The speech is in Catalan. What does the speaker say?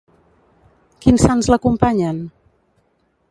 Quins sants l'acompanyen?